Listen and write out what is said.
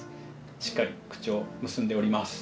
しっかり口を結んでおります。